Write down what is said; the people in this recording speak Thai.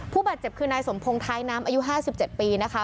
ผู้บาดเจ็บคือนายสมพงศ์ท้ายน้ำอายุ๕๗ปีนะคะ